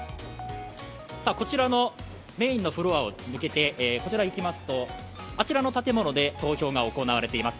こちらのメインのフロアを抜けてこちらを行きますとあちらの建物で投票が行われています。